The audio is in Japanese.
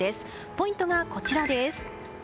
ポイントが、こちらです。